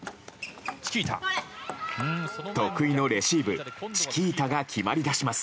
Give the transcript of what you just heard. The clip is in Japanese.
得意のレシーブチキータが決まりだします。